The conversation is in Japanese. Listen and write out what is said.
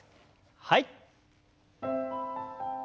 はい。